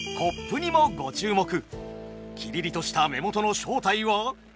キリリとした目元の正体は。